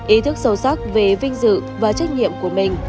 ý thức sâu sắc về vinh dự và trách nhiệm của mình